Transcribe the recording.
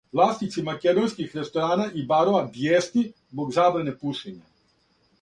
Власници македонских ресторана и барова бијесни због забране пушења